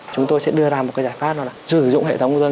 chúng tôi sẽ đưa ra một giải pháp là dự dụng hệ thống dân